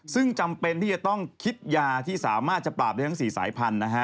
ซึ่งจำเป็นที่จะต้องคิดยาที่สามารถจะปราบได้ทั้ง๔สายพันธุ์นะฮะ